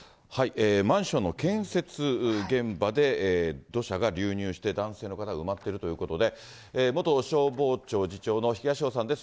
マンションの建設現場で土砂が流入して、男性の方が埋まっているということで、元消防庁次長の、東尾さんです。